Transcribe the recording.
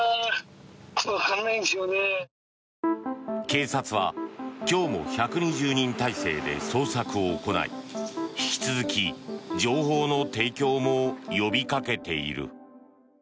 警察は今日も１２０人態勢で捜索を行い引き続き情報の提供も呼びかけている。